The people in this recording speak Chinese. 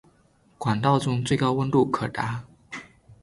管道中最高温度可达。